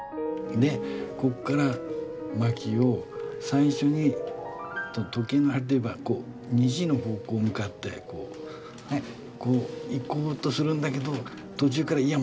でここから巻きを最初に時計の針でいえば２時の方向に向かってこうこう行こうとするんだけど途中からいや待て。